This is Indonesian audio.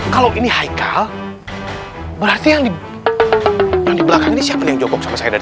kalau ini hai kau berarti yang dibelakang ini siapa yang jokok saya tadi